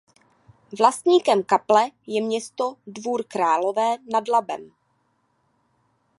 Vlastníkem kaple je Město Dvůr Králové nad Labem.